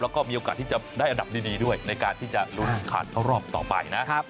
แล้วก็มีโอกาสที่จะได้อันดับดีด้วยในการที่จะลุ้นผ่านเข้ารอบต่อไปนะ